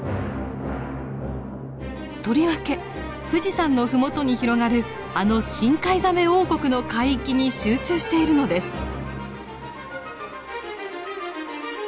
とりわけ富士山の麓に広がるあの深海ザメ王国の海域に集中しているのです。